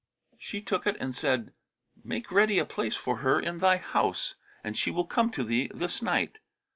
She took it and said, 'Make ready a place for her in thy house, and she will come to thee this night.'